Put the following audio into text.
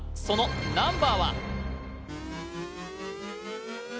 そのナンバーは？